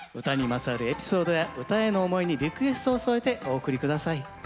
唄にまつわるエピソードや唄への思いにリクエストを添えてお送り下さい。